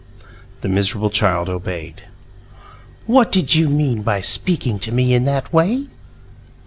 The miserable child obeyed. "What did you mean by speaking to me in that way?"